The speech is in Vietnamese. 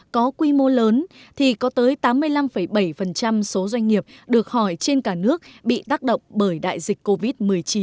có quy mô lớn thì có tới tám mươi năm bảy số doanh nghiệp được hỏi trên cả nước bị tác động bởi đại dịch covid một mươi chín